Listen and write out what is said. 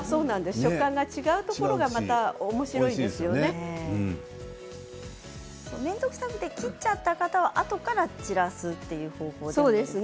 食感が違うところがまた面倒くさくて切ってしまった方はあとから散らすという方法ですね。